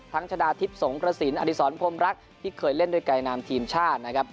ชนะทิพย์สงกระสินอดีศรพรมรักที่เคยเล่นด้วยกายนามทีมชาตินะครับ